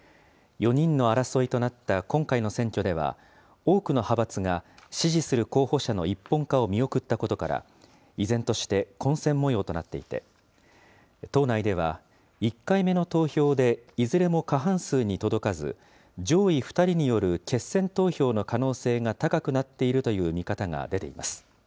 ４人の争いとなった今回の選挙では、多くの派閥が、支持する候補者の一本化を見送ったことから、依然として混戦もようとなっていて、党内では１回目の投票でいずれも過半数に届かず、上位２人による決選投票の可能性が高くなっているという見方が出ています。